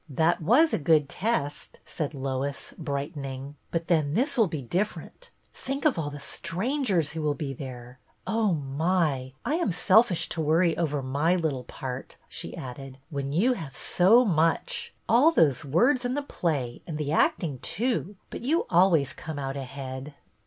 " That was a good test," said Lois, bright ening, " but then this will be different. Think of all the strangers who will be there ! Oh, my! I am selfish to worry over my little part," she added, " when you have so THE PLAY 141 much — all those words in the play and the acting too — but you always come out ahead."